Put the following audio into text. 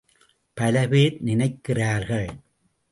பல பேர் நினைக்கிறார்கள்.